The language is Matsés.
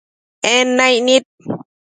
En naic nid